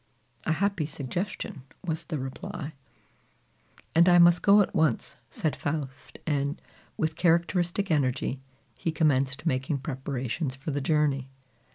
"A happy suggestion!" was the reply. "And I must go at once," said Faust; and, with characteristic energy, he commenced making preparations for the journey.